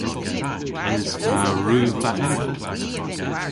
Es ta rudh dha enep?